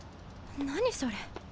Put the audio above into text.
何それ。